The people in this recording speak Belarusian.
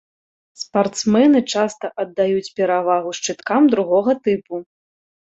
Спартсмены часта аддаюць перавагу шчыткам другога тыпу.